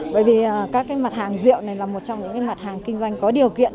bởi vì các mặt hàng rượu này là một trong những mặt hàng kinh doanh có điều kiện